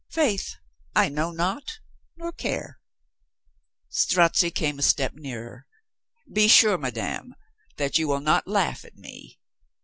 "Faith, I know not, nor care. * Strozzi came a step nearer. "Be sure, madame, that you will not laugh at me."